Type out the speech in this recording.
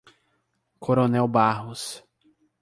Coronel Barros